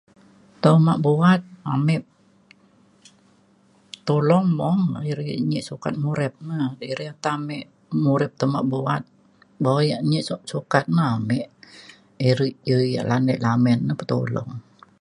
ta uma buat ame tulong mung na iri nyi sukat murip ne iri ata me murip te uma buat bo yak nyi su- sukat na ame iri je ia' lanek lamin na petulong.